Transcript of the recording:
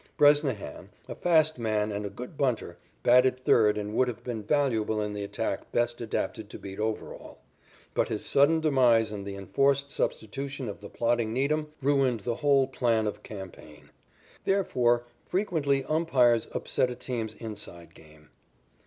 Bresnahan, a fast man and a good bunter batted third and would have been valuable in the attack best adapted to beat Overall. But his sudden demise and the enforced substitution of the plodding Needham ruined the whole plan of campaign. Therefore, frequently umpires upset a team's "inside" game.